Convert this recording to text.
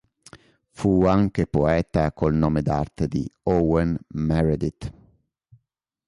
Fu anche poeta col nome d'arte di Owen Meredith.